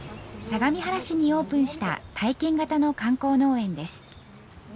相模原市にオープンした、体験型の観光農園です。